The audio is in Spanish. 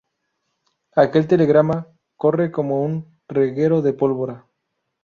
Aquel telegrama corre como un reguero de pólvora.